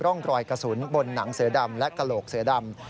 ร่องรอยกระสุนบนหนังเสือดำและกระโหลกเสือดำ